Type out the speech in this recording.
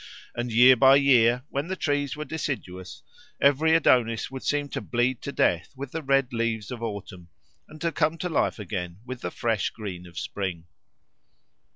And year by year, when the trees were deciduous, every Adonis would seem to bleed to death with the red leaves of autumn and to come to life again with the fresh green of spring.